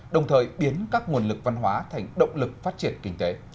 đồng thời biến các nguồn lực văn hóa thành động lực phát triển kinh tế